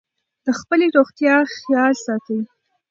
د خپلې روغتیا خیال ساتئ.